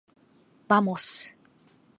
ばもす。